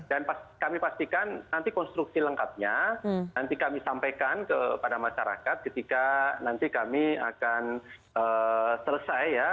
dan kami pastikan nanti konstruksi lengkapnya nanti kami sampaikan kepada masyarakat ketika nanti kami akan selesai ya